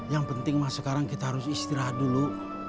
yang penting mas sekarang kita harus istirahat dulu